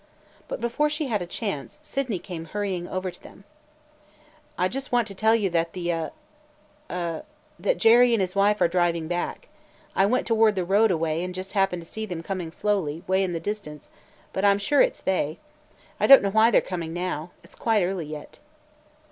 But before she had a chance, Sydney came hurrying over to them "I just want to tell you that the – er – that Jerry and his wife are driving back. I went toward the road a way and just happened to see them coming slowly, 'way in the distance, but I 'm sure it 's they. I don't know why they 're coming now. It 's quite early yet."